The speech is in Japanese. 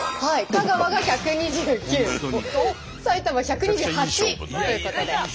香川が１２９埼玉１２８ということで。